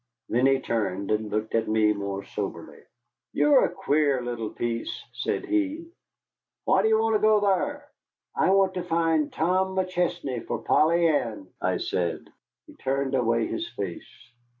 Then he turned and looked at me more soberly. "You're a queer little piece," said he. "Why do you want to go thar?" "I want to find Tom McChesney for Polly Ann," I said. He turned away his face.